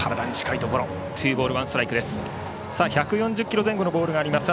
１４０キロ前後のボールがあります。